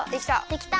できた。